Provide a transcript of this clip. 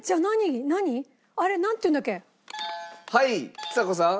はいちさ子さん。